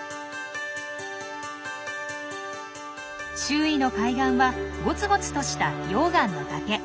周囲の海岸はゴツゴツとした溶岩の崖。